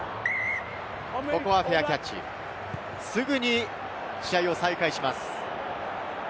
ここはフェアキャッチ、すぐに試合を再開します。